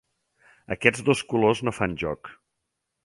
Aquests dos colors no fan joc.